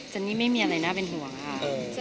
นี่ไม่มีอะไรน่าเป็นห่วงค่ะ